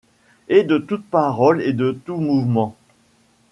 Et de toute parole et de tout mouvement